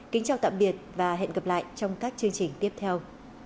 kính chào tạm biệt và hẹn gặp lại trong các chương trình tiếp theo